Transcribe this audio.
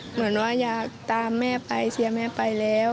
เหมือนว่าอยากตามแม่ไปเชียร์แม่ไปแล้ว